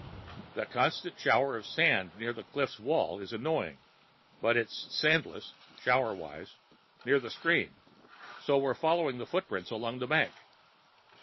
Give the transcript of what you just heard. The constant shower of sand near the cliff walls is annoying, but it's sandless (shower wise) near the stream, so we're following the footprints along the bank.